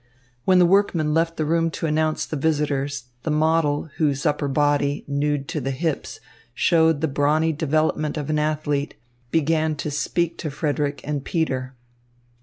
When the workman left the room to announce the visitors the model, whose upper body, nude to the hips, showed the brawny development of an athlete, began to speak to Frederick and Peter.